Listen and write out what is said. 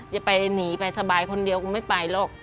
จะไปหนีไปสบายคนเดียวกูไม่ไปหรอก